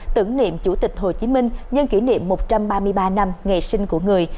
tưởng niệm chủ tịch hồ chí minh nhân kỷ niệm một trăm ba mươi ba năm ngày sinh của người